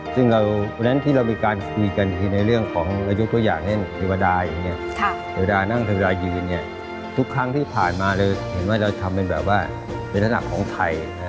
ซึ่งวันนั้นที่เรามีการคุยกันคือในเรื่องของอายุตัวอย่างเช่นเทวดาอย่างนี้เวลานั่งเทรายืนเนี่ยทุกครั้งที่ผ่านมาเราเห็นว่าเราทำเป็นแบบว่าเป็นลักษณะของไทย